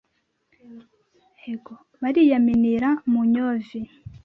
Bariyamirira mu nyovi